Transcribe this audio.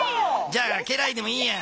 じゃあ家来でもいいや。